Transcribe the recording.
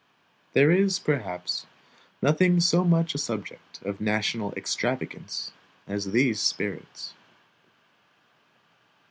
There is, perhaps, nothing so much a subject of national extravagance as these spirits.